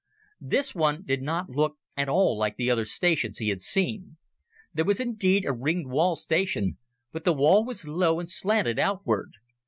This one did not look at all like the other stations he had seen. There was indeed a ringed wall station, but the wall was low and slanted outward.